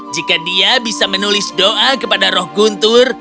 jika dia bisa menulis doa kepada roh guntur